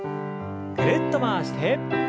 ぐるっと回して。